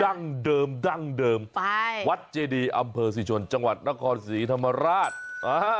อะไรดั้งเดิมวัดเจดีอำเภอสิชนจังหวัดนครศรีธรรมราช